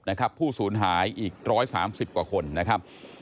ผู้สูญหายอีก๑๓๐กว่าคนนะครับ